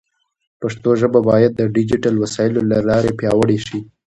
پښتو ژبه باید د ډیجیټل وسایلو له لارې پیاوړې شي.